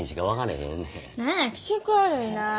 何や気色悪いなあ。